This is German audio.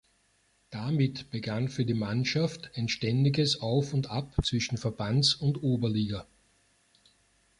Damit begann für die Mannschaft ein ständiges Auf und Ab zwischen Verbands- und Oberliga.